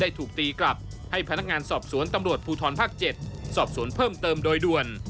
ถูกตีกลับให้พนักงานสอบสวนตำรวจภูทรภาค๗สอบสวนเพิ่มเติมโดยด่วน